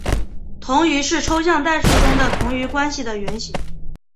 同余是抽象代数中的同余关系的原型。